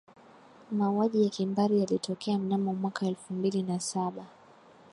mauaji ya kimbari yalitokea mnamo mwaka elfu mbili na saba